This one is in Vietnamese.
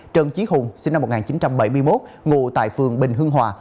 trần trí hùng sinh năm một nghìn chín trăm bảy mươi một ngụ tại phường bình hưng hòa